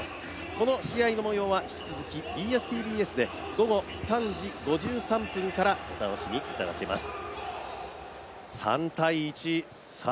この試合の模様は引き続きＢＳ−ＴＢＳで午後３時５３分からお楽しみいただけます。